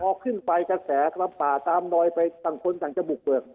พอขึ้นไปกระแสกระป่าตามดอยไปต่างคนต่างจะบุกเบิก